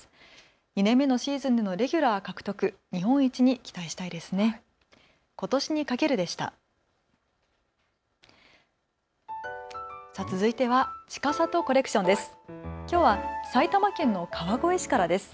２年目のシーズンでのレギュラー獲得と日本一に期待したいですね。